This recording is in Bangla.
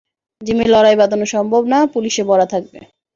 জিমে লড়াই বাঁধানো সম্ভব না, পুলিশে ভরা থাকবে!